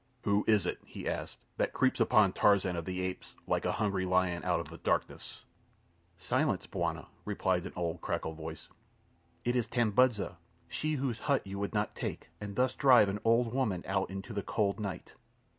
"Who is it," he asked, "that creeps upon Tarzan of the Apes, like a hungry lion out of the darkness?" "Silence, bwana!" replied an old cracked voice. "It is Tambudza—she whose hut you would not take, and thus drive an old woman out into the cold night."